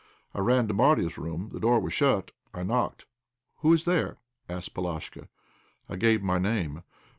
I ran to Marya's room. The door was shut; I knocked. "Who is there?" asked Polashka. I gave my name.